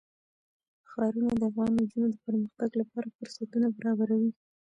ښارونه د افغان نجونو د پرمختګ لپاره فرصتونه برابروي.